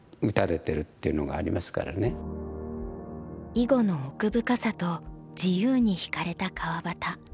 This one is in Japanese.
囲碁の奥深さと自由に惹かれた川端。